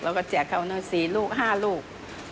เราก็แจกเขา๔๕ลูก